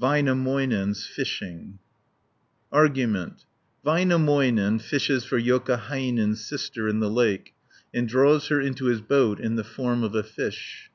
VÄINÄMÖINEN'S FISHING Argument Väinämöinen fishes for Joukahainen's sister in the lake, and draws her into his boat in the form of a fish (1 72).